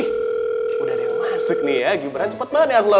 udah ada yang masuk nih ya ibran cepet banget ya aslover